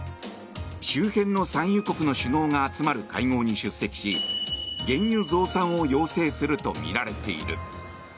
周辺の産油国の首脳が集まる会合に出席し原油増産を要請するとみられている。